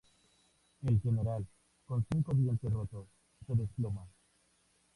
El general, con cinco dientes rotos, se desploma.